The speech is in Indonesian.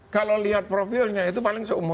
kalau lihat profilnya itu paling seumur